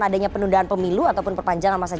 adanya penundaan pemilu ataupun perpanjangan masa